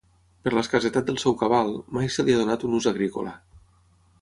Per l'escassetat del seu cabal, mai se li ha donat un ús agrícola.